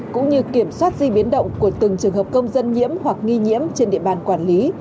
cũng như kiểm soát di biến động của từng trường hợp công dân nhiễm hoặc nghi nhiễm trên địa bàn quản lý